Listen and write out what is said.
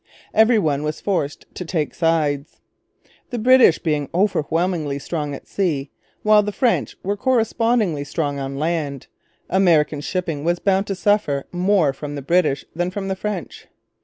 Every one was forced to take sides. The British being overwhelmingly strong at sea, while the French were correspondingly strong on land, American shipping was bound to suffer more from the British than from the French.